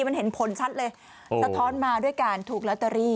มันเห็นผลชัดเลยสะท้อนมาด้วยการถูกลอตเตอรี่